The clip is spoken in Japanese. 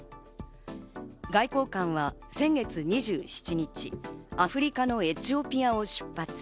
外交官は先月２７日、アフリカのエチオピアを出発。